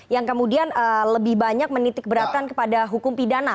yang kemudian lebih banyak menitik beratkan kepada hukum pidana